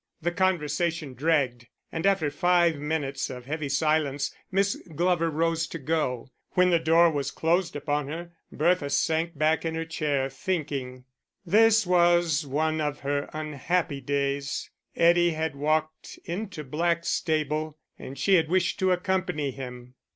The conversation dragged, and after five minutes of heavy silence Miss Glover rose to go. When the door was closed upon her, Bertha sank back in her chair, thinking. This was one of her unhappy days Eddie had walked into Blackstable, and she had wished to accompany him.